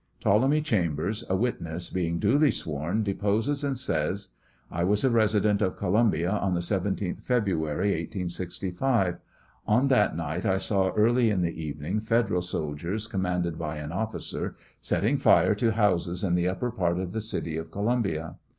Ptolemy Chambers, a witness, being duly sworn, de poses and says: I was a resident of Columbia on the 17th February, 1865. On that night I saw, early in the evening, Fed eral soldiers, commanded by an officer, setting fire to houses in the upper part of the city of Columbia.